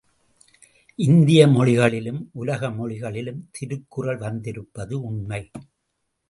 இந்திய மொழிகளிலும் உலக மொழிகளிலும் திருக்குறள் வந்திருப்பது உண்மை!